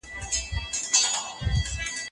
ما وېل بنګړي مې په درشل مات شوي وينه